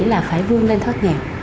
là phải vươn lên thoát nghèo